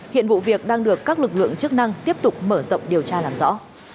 hiện vụ việc đang được các lực lượng chức năng tiếp tục mở rộng điều tra làm rõ